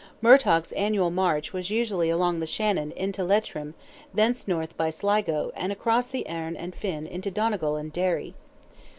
Murtogh's annual march was usually along the Shannon, into Leitrim, thence north by Sligo, and across the Erne and Finn into Donegal and Derry.